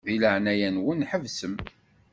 Di leɛnaya-nwen ḥebsem.